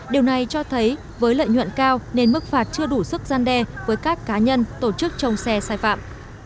điều này cho thấy với lợi nhuận cao nên mức phạt chưa đủ sức gian đe với các cá nhân tổ chức trong xe sai phạm